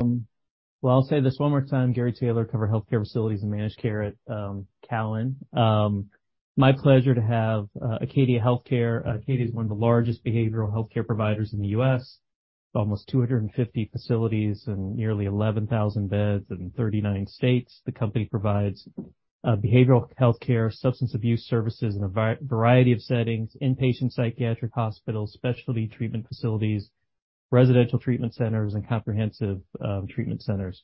Well, I'll say this one more time. Gary Taylor, cover healthcare facilities and managed care at TD Cowen. My pleasure to have Acadia Healthcare. Acadia is one of the largest behavioral healthcare providers in the U.S., with almost 250 facilities and nearly 11,000 beds in 39 states. The company provides behavioral healthcare, substance abuse services in a variety of settings, inpatient psychiatric hospitals, specialty treatment facilities, residential treatment centers, and comprehensive treatment centers.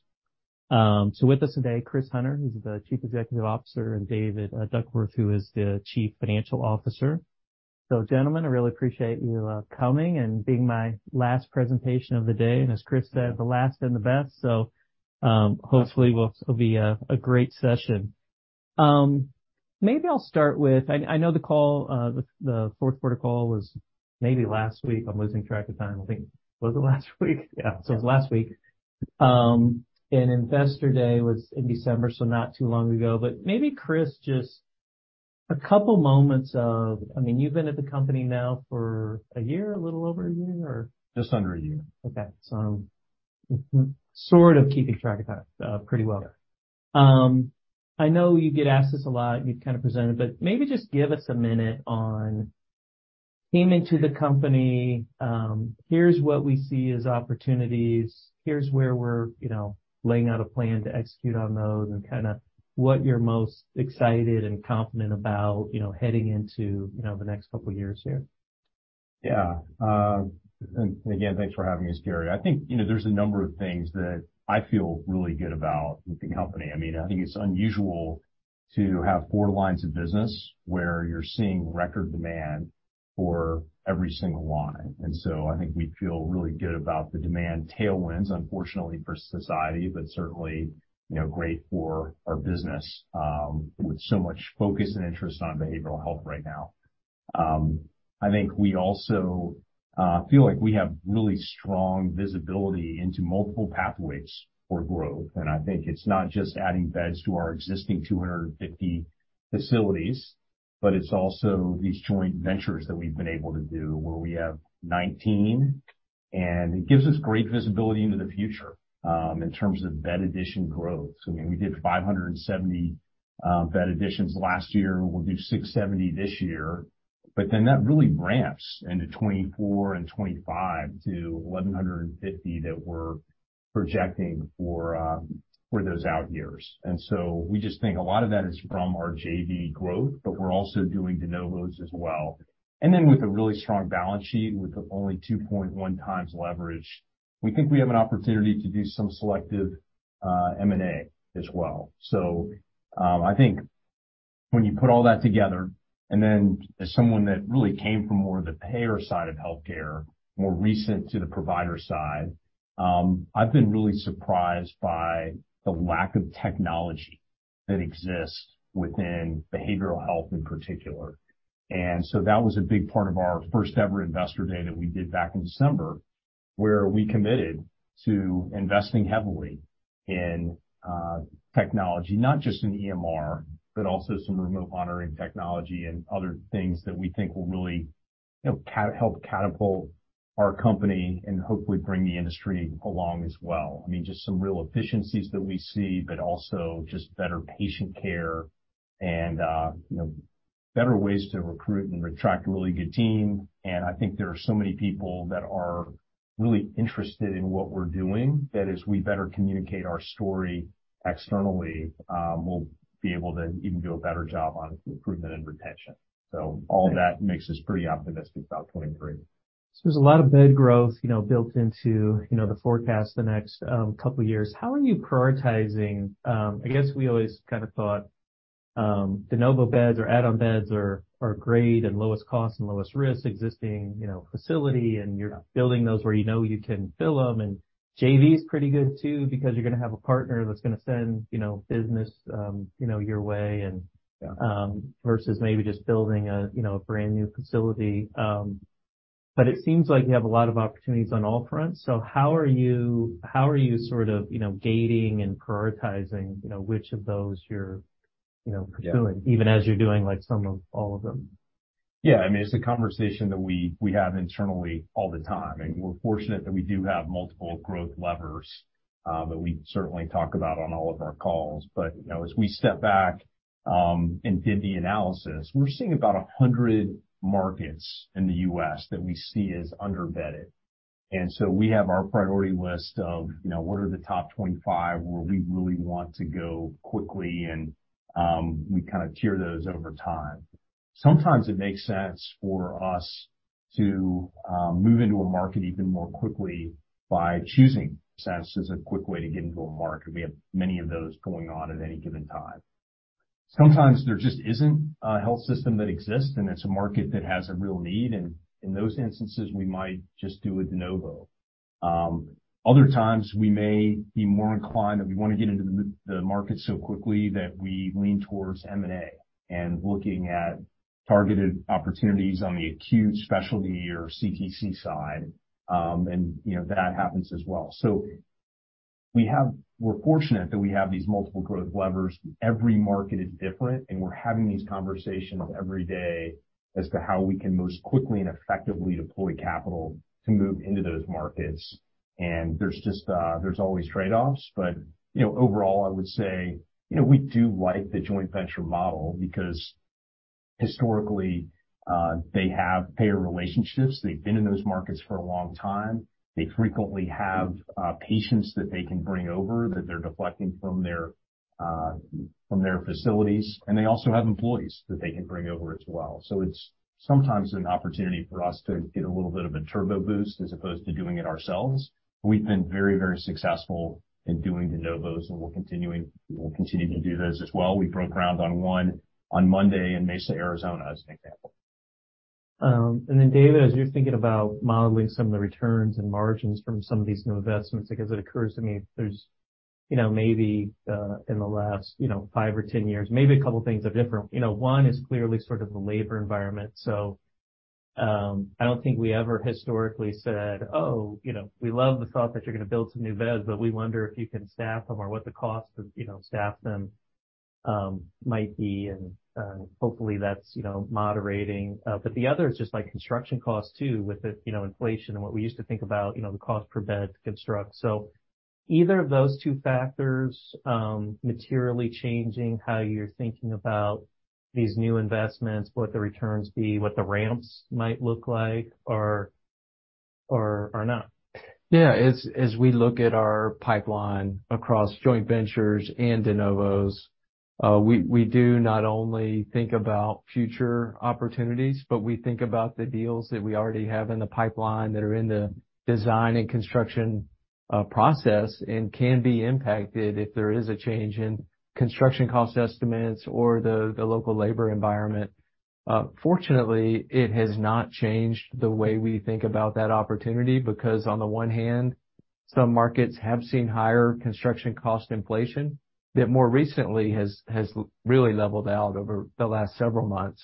With us today, Chris Hunter, who's the Chief Executive Officer, and David Duckworth, who is the Chief Financial Officer. Gentlemen, I really appreciate you coming and being my last presentation of the day. As Chris said, the last and the best. Hopefully it'll be a great session. I know the call, the fourth quarter call was maybe last week. I'm losing track of time. I think, was it last week? Yeah. Yeah. It was last week. Investor Day was in December, so not too long ago. Maybe Chris, just a couple moments of, I mean, you've been at the company now for a year, a little over a year, or? Just under a year. Okay. Sort of keeping track of time, pretty well. I know you get asked this a lot, and you've kind of presented, but maybe just give us one minute on came into the company, here's what we see as opportunities, here's where we're, you know, laying out a plan to execute on those and kind of what you're most excited and confident about, you know, heading into, you know, the next couple of years here. Yeah. Thanks for having us, Gary. I think, you know, there's a number of things that I feel really good about with the company. I mean, I think it's unusual to have four lines of business where you're seeing record demand for every single line. So, I think we feel really good about the demand tailwinds, unfortunately for society, but certainly, you know, great for our business, with so much focus and interest on behavioral health right now. I think we also feel like we have really strong visibility into multiple pathways for growth, and I think it's not just adding beds to our existing 250 facilities, but it's also these joint ventures that we've been able to do where we have 19, and it gives us great visibility into the future, in terms of bed addition growth. I mean, we did 570 bed additions last year. We'll do 670 this year. That really ramps into 2024 and 2025 to 1,150 that we're projecting for those out years. We just think a lot of that is from our JV growth, but we're also doing de novos as well. With a really strong balance sheet, with only 2.1x leverage, we think we have an opportunity to do some selective M&A as well. I think when you put all that together, as someone that really came from more of the payer side of healthcare, more recent to the provider side, I've been really surprised by the lack of technology that exists within behavioral health in particular. That was a big part of our first-ever Investor Day that we did back in December, where we committed to investing heavily in technology, not just in EMR, but also some remote monitoring technology and other things that we think will really, you know, help catapult our company and hopefully bring the industry along as well. I mean, just some real efficiencies that we see, but also just better patient care and, you know, better ways to recruit and attract a really good team. I think there are so many people that are really interested in what we're doing that as we better communicate our story externally, we'll be able to even do a better job on improvement and retention. All that makes us pretty optimistic about 2023. There's a lot of bed growth, you know, built into, you know, the forecast the next couple years. How are you prioritizing? I guess we always kind of thought de novo beds or add-on beds are great and lowest cost and lowest risk existing, you know, facility, and you're building those where you know you can fill them. JV is pretty good too because you're gonna have a partner that's gonna send, you know, business, you know, your way. Yeah. versus maybe just building a, you know, a brand-new facility. It seems like you have a lot of opportunities on all fronts. How are you sort of, you know, gating and prioritizing, you know, which of those you're, you know, pursuing. Yeah. -even as you're doing, like some of all of them? Yeah. I mean, it's a conversation that we have internally all the time. I mean, we're fortunate that we do have multiple growth levers that we certainly talk about on all of our calls. You know, as we step back and did the analysis, we're seeing about 100 markets in the U.S. that we see as under-bedded. We have our priority list of, you know, what are the top 25 where we really want to go quickly and we kinda tier those over time. Sometimes it makes sense for us to move into a market even more quickly by choosing [inaudible] as a quick way to get into a market. We have many of those going on at any given time. Sometimes there just isn't a health system that exists, and it's a market that has a real need. In those instances, we might just do a de novo. Other times, we may be more inclined that we wanna get into the market so quickly that we lean towards M&A and looking at targeted opportunities on the acute specialty or CTC side. You know, that happens as well. We're fortunate that we have these multiple growth levers. Every market is different, and we're having these conversations every day as to how we can most quickly and effectively deploy capital to move into those markets. There's just, there's always trade-offs. You know, overall, I would say, you know, we do like the joint venture model because historically, they have payer relationships. They've been in those markets for a long time. They frequently have patients that they can bring over that they're deflecting from their facilities, and they also have employees that they can bring over as well. It's sometimes an opportunity for us to get a little bit of a turbo boost as opposed to doing it ourselves. We've been very, very successful in doing de novos, and we'll continue to do those as well. We broke ground on one on Monday in Mesa, Arizona, as an example. Then David, as you're thinking about modeling some of the returns and margins from some of these new investments, because it occurs to me there's, you know, maybe, in the last, you know, five or 10 years, maybe a couple of things are different. You know, one is clearly sort of the labor environment. I don't think we ever historically said, "Oh, you know, we love the thought that you're going to build some new beds, but we wonder if you can staff them or what the cost of, you know, staff them, might be." Hopefully that's, you know, moderating. The other is just like construction costs too, with the, you know, inflation and what we used to think about, you know, the cost per bed to construct. either of those two factors, materially changing how you're thinking about these new investments, what the returns be, what the ramps might look like or not? Yeah. As we look at our pipeline across joint ventures and de novos, we do not only think about future opportunities, but we think about the deals that we already have in the pipeline that are in the design and construction, process, and can be impacted if there is a change in construction cost estimates or the local labor environment. Fortunately, it has not changed the way we think about that opportunity, because on the one hand, some markets have seen higher construction cost inflation that more recently has really leveled out over the last several months.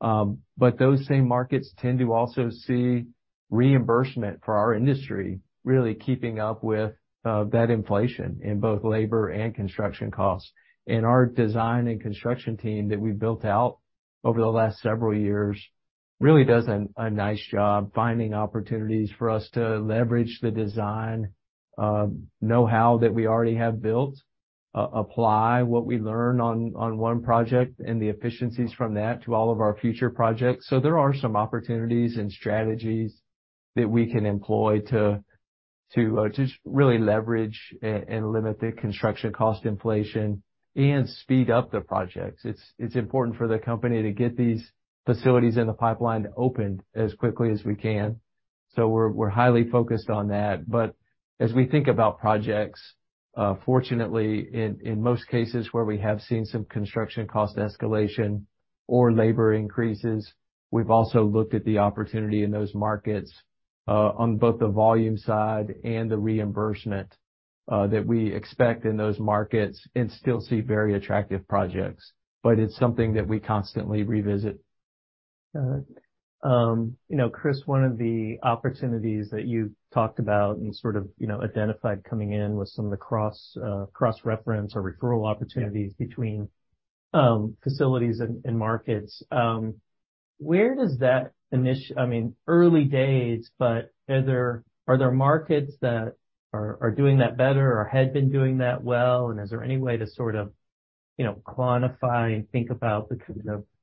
Those same markets tend to also see reimbursement for our industry, really keeping up with, that inflation in both labor and construction costs. Our design and construction team that we've built out over the last several years really does a nice job finding opportunities for us to leverage the design know-how that we already have built, apply what we learn on one project and the efficiencies from that to all of our future projects. There are some opportunities and strategies that we can employ to just really leverage and limit the construction cost inflation and speed up the projects. It's important for the company to get these facilities in the pipeline opened as quickly as we can. We're highly focused on that. As we think about projects, fortunately in most cases where we have seen some construction cost escalation or labor increases, we've also looked at the opportunity in those markets, on both the volume side and the reimbursement, that we expect in those markets and still see very attractive projects. It's something that we constantly revisit. Got it. You know, Chris, one of the opportunities that you talked about and sort of, you know, identified coming in was some of the cross-reference or referral opportunities between facilities and markets. Where does that I mean, early days, but are there markets that are doing that better or had been doing that well? Is there any way to sort of, you know, quantify and think about the,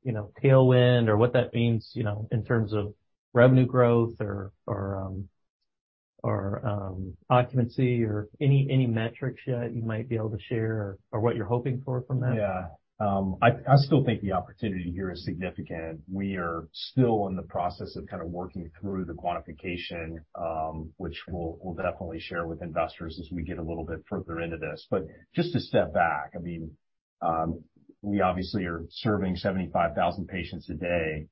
you know, tailwind or what that means, you know, in terms of revenue growth or occupancy or any metrics yet you might be able to share or what you're hoping for from that? Yeah. I still think the opportunity here is significant. We are still in the process of kind of working through the quantification, which we'll definitely share with investors as we get a little bit further into this. Just to step back, I mean, we obviously are serving 75,000 patients a day.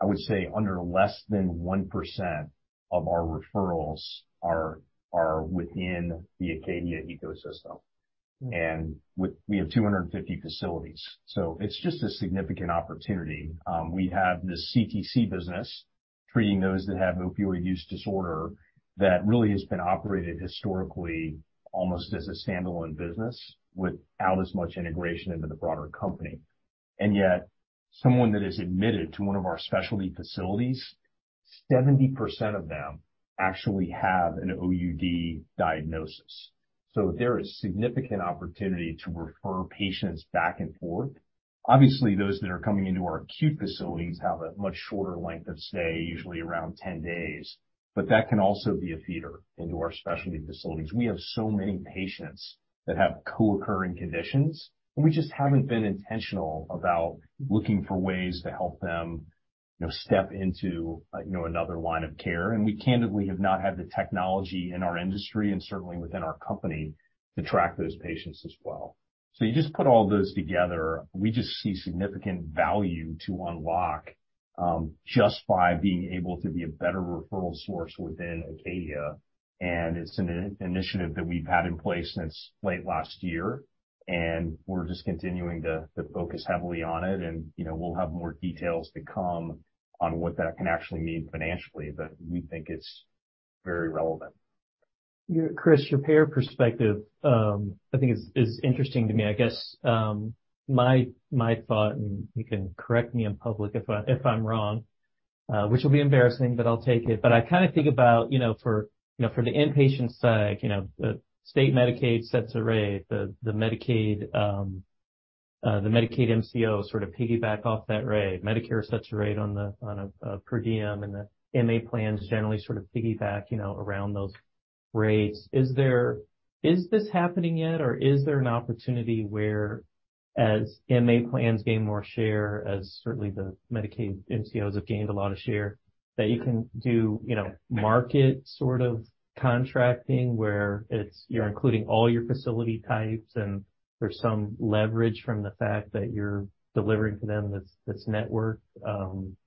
I would say under less than 1% of our referrals are within the Acadia ecosystem. We have 250 facilities, so it's just a significant opportunity. We have the CTC business treating those that have opioid use disorder that really has been operated historically almost as a standalone business without as much integration into the broader company. Yet someone that is admitted to one of our specialty facilities, 70% of them actually have an OUD diagnosis. There is significant opportunity to refer patients back and forth. Obviously, those that are coming into our acute facilities have a much shorter length of stay, usually around 10 days, but that can also be a feeder into our specialty facilities. We have so many patients that have co-occurring conditions, we just haven't been intentional about looking for ways to help them, you know, step into, you know, another line of care. We candidly have not had the technology in our industry and certainly within our company to track those patients as well. You just put all those together, we just see significant value to unlock, just by being able to be a better referral source within Acadia. It's an initiative that we've had in place since late last year. We're just continuing to focus heavily on it and, you know, we'll have more details to come on what that can actually mean financially, but we think it's very relevant. Chris, your payer perspective, I think is interesting to me. I guess, my thought, and you can correct me in public if I, if I'm wrong, which will be embarrassing, but I'll take it. I kinda think about, you know, for, you know, for the inpatient psych, you know, state Medicaid. [inaudible] The Medicaid MCO sort of piggyback off that rate. Medicare [inaudible] on the, on a per diem, and the MA plans generally sort of piggyback, you know, around those rates. Is this happening yet, or is there an opportunity whereas MA plans gain more share, as certainly the Medicaid MCOs have gained a lot of share, that you can do, you know, market sort of contracting where it's, you're including all your facility types and there's some leverage from the fact that you're delivering to them that's network.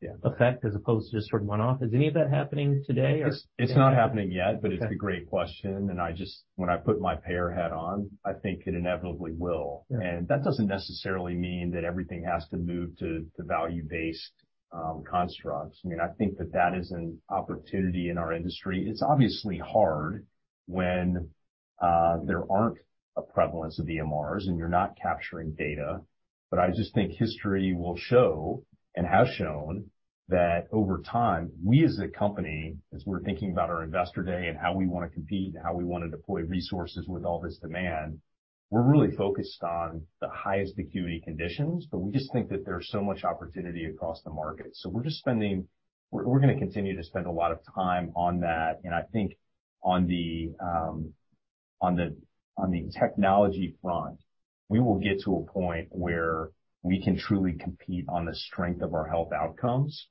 Yeah. effect as opposed to just sort of one-off. Is any of that happening today or? It's not happening yet. Okay. It's a great question. When I put my payer hat on, I think it inevitably will. Yeah. That doesn't necessarily mean that everything has to move to the value-based constructs. I mean, I think that that is an opportunity in our industry. It's obviously hard when there aren't a prevalence of EMRs and you're not capturing data. I just think history will show, and has shown, that over time, we as a company, as we're thinking about our investor day and how we wanna compete and how we wanna deploy resources with all this demand, we're really focused on the highest acuity conditions. We just think that there's so much opportunity across the market. We're just spending, we're gonna continue to spend a lot of time on that. I think on the, on the technology front, we will get to a point where we can truly compete on the strength of our health outcomes.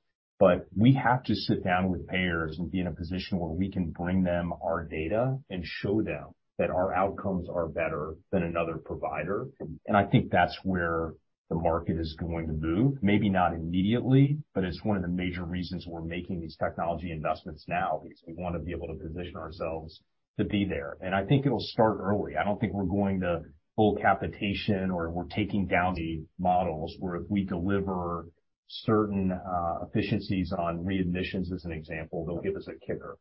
We have to sit down with payers and be in a position where we can bring them our data and show them that our outcomes are better than another provider. I think that's where the market is going to move. Maybe not immediately, but it's one of the major reasons we're making these technology investments now, because we wanna be able to position ourselves to be there. I think it'll start early. I don't think we're going to full capitation or we're taking down the models where if we deliver certain efficiencies on readmissions, as an example, they'll give us a kicker.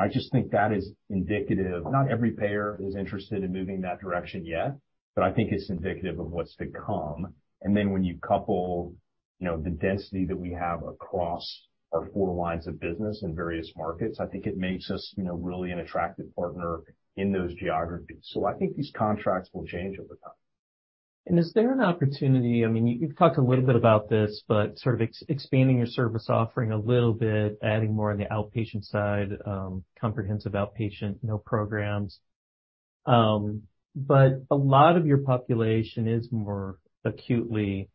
I just think that is indicative. Not every payer is interested in moving that direction yet, but I think it's indicative of what's to come. When you couple, you know, the density that we have across our four lines of business in various markets, I think it makes us, you know, really an attractive partner in those geographies. I think these contracts will change over time. Is there an opportunity, I mean, you've talked a little bit about this, but sort of expanding your service offering a little bit, adding more on the outpatient side, comprehensive outpatient, you know, programs. A lot of your population is more acutely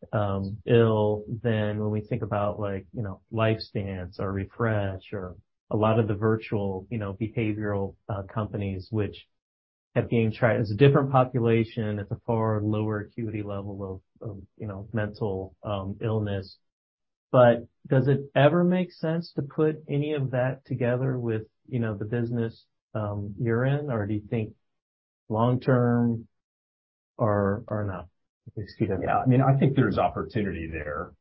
ill than when we think about like, you know, LifeStance or Refresh or a lot of the virtual, you know, behavioral companies which have gained. It's a different population at a far lower acuity level of, you know, mental illness. Does it ever make sense to put any of that together with, you know, the business you're in? Or do you think long term or no? Yeah. I mean, I think there's opportunity there.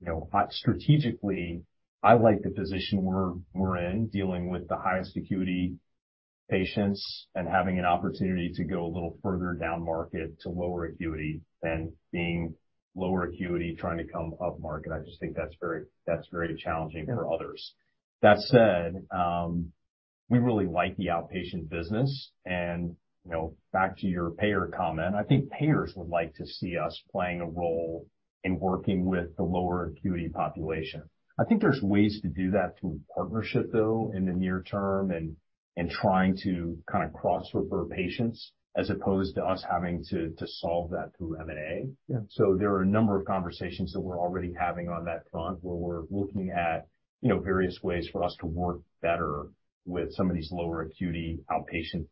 You know, strategically, I like the position we're in, dealing with the highest acuity patients and having an opportunity to go a little further down market to lower acuity than being lower acuity trying to come up market. I just think that's very challenging for others. That said, we really like the outpatient business. You know, back to your payer comment, I think payers would like to see us playing a role in working with the lower acuity population. I think there's ways to do that through partnership, though, in the near term and trying to kind of cross-refer patients as opposed to us having to solve that through M&A. Yeah. There are a number of conversations that we're already having on that front, where we're looking at, you know, various ways for us to work better with some of these lower acuity outpatient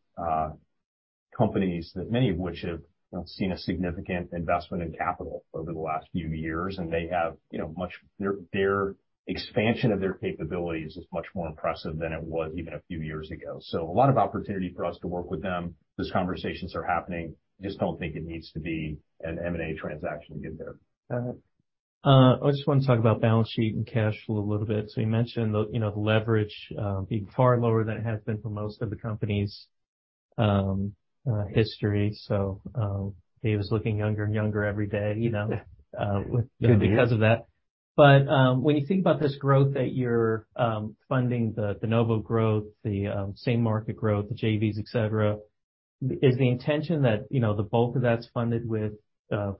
companies that many of which have, you know, seen a significant investment in capital over the last few years, and they have, you know, Their expansion of their capabilities is much more impressive than it was even a few years ago. A lot of opportunity for us to work with them. Those conversations are happening. Just don't think it needs to be an M&A transaction to get there. Got it. I just want to talk about balance sheet and cash flow a little bit. You mentioned the, you know, leverage, being far lower than it has been for most of the company's history. David looking younger and younger every day, you know, because of that. When you think about this growth that you're funding, the de novo growth, the same market growth, the JVs, et cetera, is the intention that, you know, the bulk of that's funded with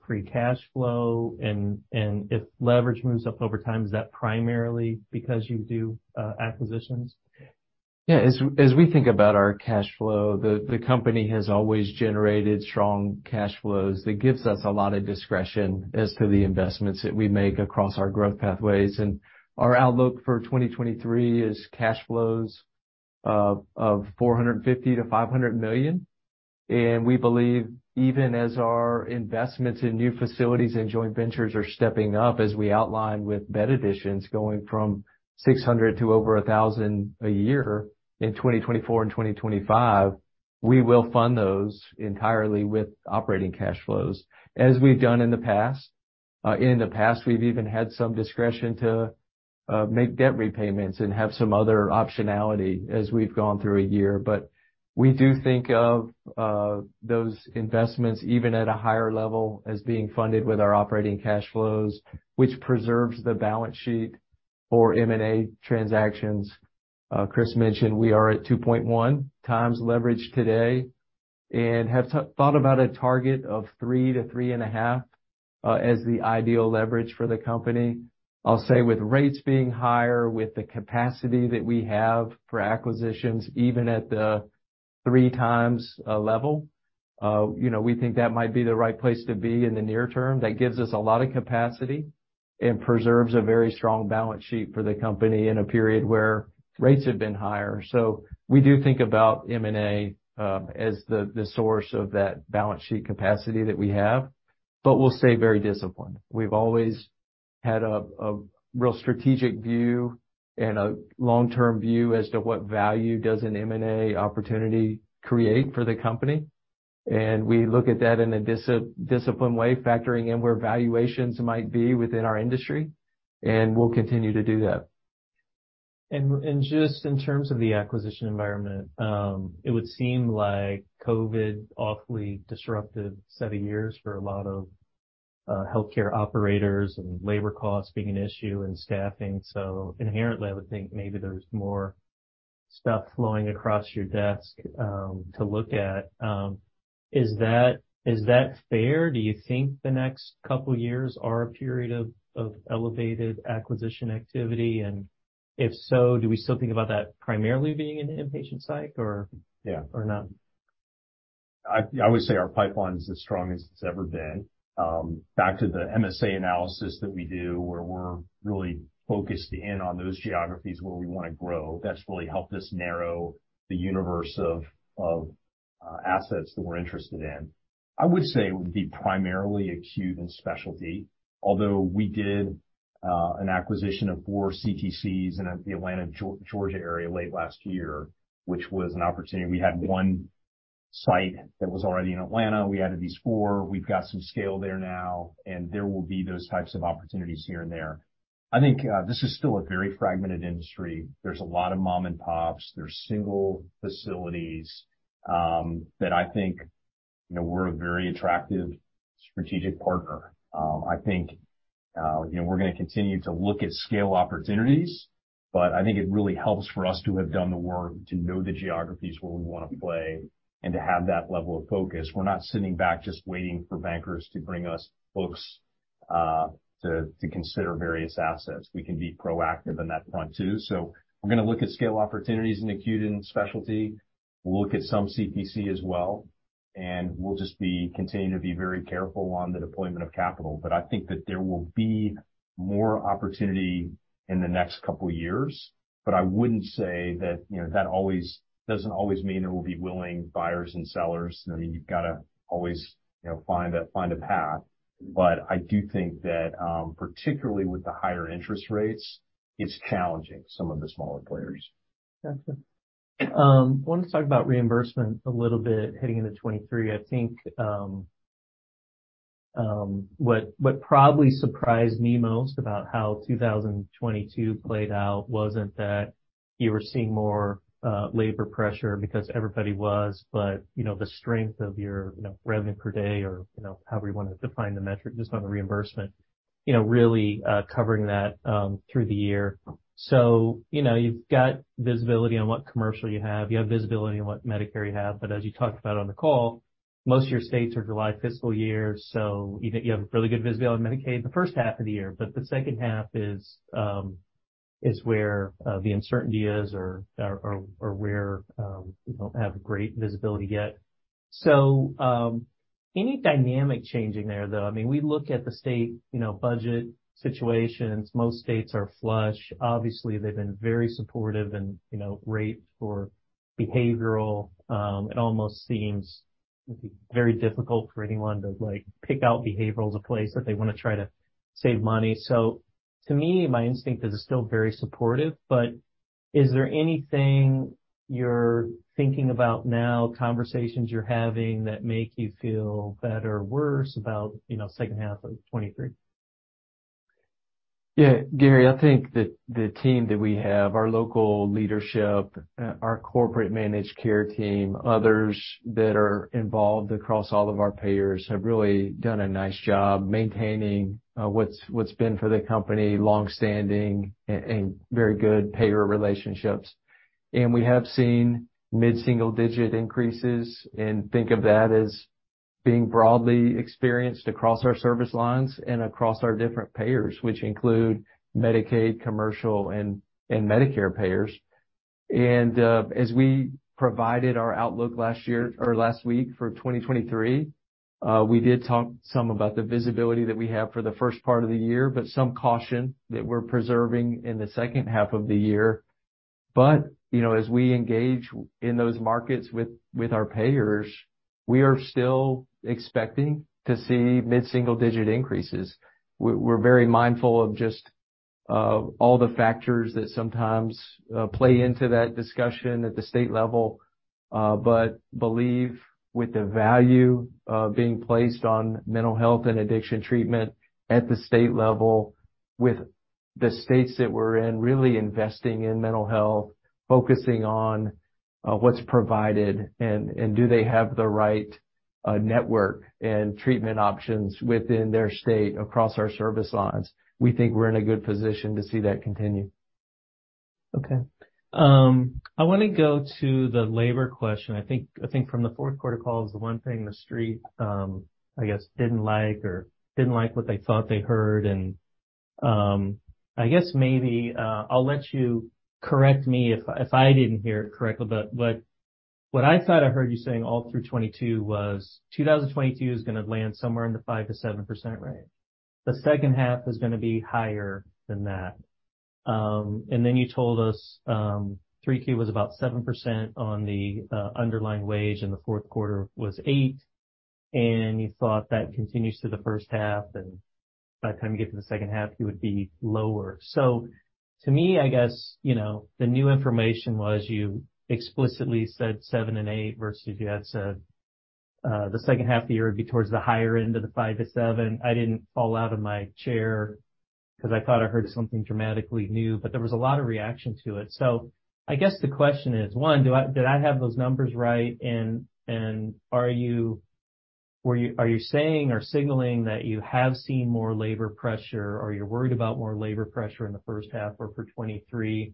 free cash flow? And if leverage moves up over time, is that primarily because you do acquisitions? As we think about our cash flow, the company has always generated strong cash flows. That gives us a lot of discretion as to the investments that we make across our growth pathways. Our outlook for 2023 is cash flows of $450 million-$500 million. We believe even as our investments in new facilities and joint ventures are stepping up, as we outlined with bed additions going from 600 to over 1,000 a year in 2024 and 2025, we will fund those entirely with operating cash flows, as we've done in the past. In the past, we've even had some discretion to make debt repayments and have some other optionality as we've gone through a year. We do think of those investments, even at a higher level, as being funded with our operating cash flows, which preserves the balance sheet for M&A transactions. Chris mentioned we are at 2.1x leverage today and have thought about a target of 3x-3.5x as the ideal leverage for the company. I'll say with rates being higher, with the capacity that we have for acquisitions, even at the 3x level, you know, we think that might be the right place to be in the near term. That gives us a lot of capacity and preserves a very strong balance sheet for the company in a period where rates have been higher. We do think about M&A as the source of that balance sheet capacity that we have, but we'll stay very disciplined. We've always had a real strategic view and a long-term view as to what value does an M&A opportunity create for the company. We look at that in a discipline way, factoring in where valuations might be within our industry, and we'll continue to do that. Just in terms of the acquisition environment, it would seem like COVID awfully disrupted seven years for a lot of healthcare operators and labor costs being an issue and staffing. Inherently, I would think maybe there's more stuff flowing across your desk to look at. Is that fair? Do you think the next couple of years are a period of elevated acquisition activity? If so, do we still think about that primarily being in inpatient psych or- Yeah. not? I would say our pipeline is as strong as it's ever been. Back to the MSA analysis that we do, where we're really focused in on those geographies where we wanna grow. That's really helped us narrow the universe of assets that we're interested in. I would say it would be primarily acute and specialty, although we did an acquisition of four CTCs in the Atlanta, Georgia area late last year, which was an opportunity. We had 1 site that was already in Atlanta. We added these four. We've got some scale there now. There will be those types of opportunities here and there. I think this is still a very fragmented industry. There's a lot of mom and pops. There's single facilities that I think, you know, we're a very attractive strategic partner. I think, you know, we're gonna continue to look at scale opportunities. I think it really helps for us to have done the work to know the geographies where we wanna play and to have that level of focus. We're not sitting back just waiting for bankers to bring us books to consider various assets. We can be proactive on that front too. We're gonna look at scale opportunities in acute and specialty. We'll look at some CapEx as well, and we'll continue to be very careful on the deployment of capital. I think that there will be more opportunity in the next couple of years. I wouldn't say that, you know, doesn't always mean there will be willing buyers and sellers. I mean, you've gotta always, you know, find a, find a path. I do think that, particularly with the higher interest rates, it's challenging some of the smaller players. Gotcha. I wanted to talk about reimbursement a little bit heading into 2023. I think, what probably surprised me most about how 2022 played out wasn't that you were seeing more, labor pressure because everybody was, but, you know, the strength of your, you know, revenue per day or, you know, however you wanna define the metric, just on the reimbursement, you know, really, covering that, through the year. You know, you've got visibility on what commercial you have. You have visibility on what Medicare you have. As you talked about on the call, most of your states are July fiscal year, so you have really good visibility on Medicaid the first half of the year. The second half is where the uncertainty is or where we don't have great visibility yet. Any dynamic changing there, though? I mean, we look at the state, you know, budget situations. Most states are flush. Obviously, they've been very supportive and, you know, rate for behavioral, it almost seems very difficult for anyone to, like, pick out behavioral as a place that they wanna try to save money. To me, my instinct is it's still very supportive, but is there anything you're thinking about now, conversations you're having that make you feel better or worse about, you know, second half of 2023? Yeah. Gary, I think that the team that we have, our local leadership, our corporate managed care team, others that are involved across all of our payers, have really done a nice job maintaining, what's been for the company long-standing and very good payer relationships. We have seen mid-single digit increases and think of that as being broadly experienced across our service lines and across our different payers, which include Medicaid, commercial, and Medicare payers. As we provided our outlook last year or last week for 2023, we did talk some about the visibility that we have for the first part of the year, but some caution that we're preserving in the second half of the year. You know, as we engage in those markets with our payers, we are still expecting to see mid-single-digit increases. We're very mindful of just all the factors that sometimes play into that discussion at the state level. Believe with the value of being placed on mental health and addiction treatment at the state level with the states that we're in really investing in mental health, focusing on what's provided and do they have the right network and treatment options within their state across our service lines. We think we're in a good position to see that continue. Okay. I wanna go to the labor question. I think from the fourth quarter call is the one thing the Street, I guess, didn't like or didn't like what they thought they heard. I guess maybe, I'll let you correct me if I didn't hear it correctly, but what I thought I heard you saying all through 2022 was 2022 is gonna land somewhere in the 5%-7% range. The second half is gonna be higher than that. You told us, 3Q was about 7% on the underlying wage, and the fourth quarter was 8%. You thought that continues to the first half, and by the time you get to the second half, it would be lower. To me, I guess, you know, the new information was you explicitly said 7% and 8% versus you had said, the second half of the year would be towards the higher end of the 5%-7%. I didn't fall out of my chair 'cause I thought I heard something dramatically new, but there was a lot of reaction to it. I guess the question is, one, did I have those numbers right? Are you saying or signaling that you have seen more labor pressure or you're worried about more labor pressure in the first half or for 2023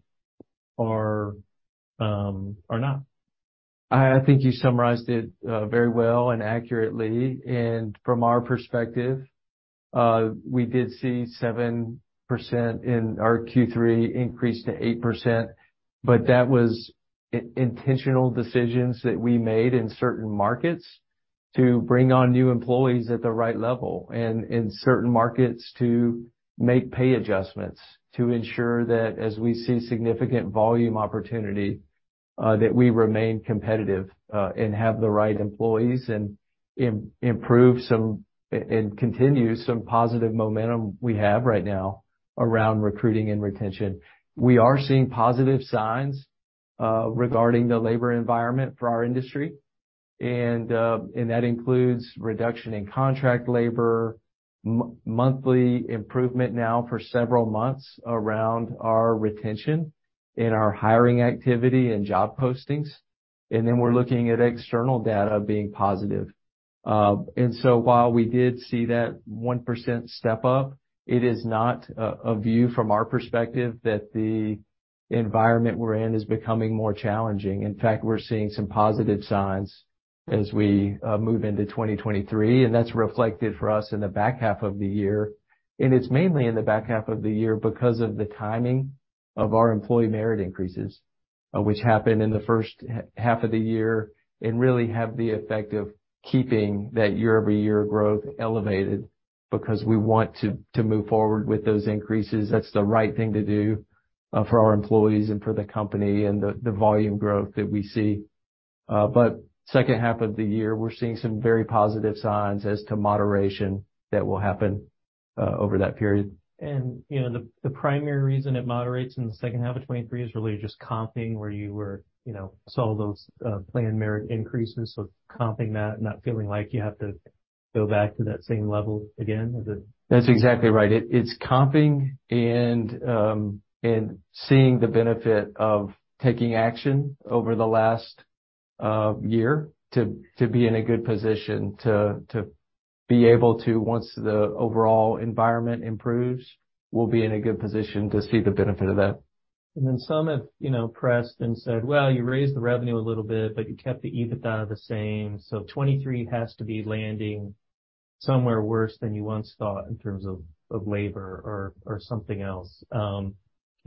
or not? I think you summarized it very well and accurately. From our perspective, we did see 7% in our Q3 increase to 8%, but that was intentional decisions that we made in certain markets to bring on new employees at the right level and in certain markets to make pay adjustments to ensure that as we see significant volume opportunity, that we remain competitive, and have the right employees and improve some and continue some positive momentum we have right now around recruiting and retention. We are seeing positive signs regarding the labor environment for our industry. That includes reduction in contract labor, monthly improvement now for several months around our retention in our hiring activity and job postings. Then we're looking at external data being positive. While we did see that 1% step up, it is not a view from our perspective that the environment we're in is becoming more challenging. In fact, we're seeing some positive signs as we move into 2023, and that's reflected for us in the back half of the year. It's mainly in the back half of the year because of the timing of our employee merit increases, which happen in the first half of the year and really have the effect of keeping that year-over-year growth elevated because we want to move forward with those increases. That's the right thing to do for our employees and for the company and the volume growth that we see. Second half of the year, we're seeing some very positive signs as to moderation that will happen over that period. You know, the primary reason it moderates in the second half of 2023 is really just comping where you were, you know, saw those planned merit increases. Comping that, not feeling like you have to go back to that same level again. That's exactly right. It's comping and seeing the benefit of taking action over the last year to be in a good position to be able to, once the overall environment improves, we'll be in a good position to see the benefit of that. Some have, you know, pressed and said, "Well, you raised the revenue a little bit, but you kept the EBITDA the same. So, 2023 has to be landing somewhere worse than you once thought in terms of labor or something else." Can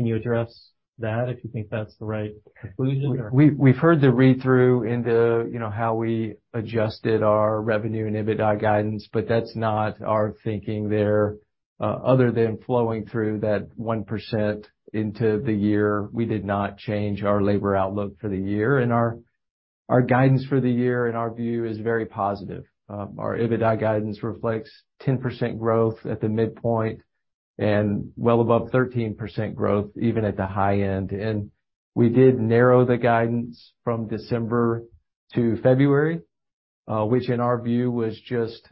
you address that if you think that's the right conclusion or-? We've heard the read-through into, you know, how we adjusted our revenue and EBITDA guidance. That's not our thinking there. Other than flowing through that 1% into the year, we did not change our labor outlook for the year. Our guidance for the year, in our view, is very positive. Our EBITDA guidance reflects 10% growth at the midpoint and well above 13% growth even at the high end. We did narrow the guidance from December to February, which in our view was just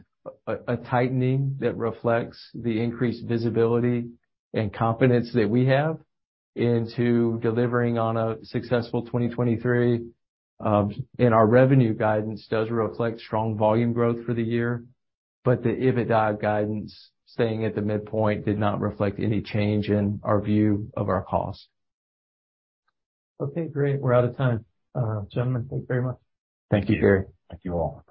a tightening that reflects the increased visibility and confidence that we have into delivering on a successful 2023. Our revenue guidance does reflect strong volume growth for the year, but the EBITDA guidance staying at the midpoint did not reflect any change in our view of our cost. Okay, great. We're out of time. Gentlemen, thank you very much. Thank you, Gary. Thank you all.